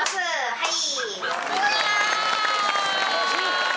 はい。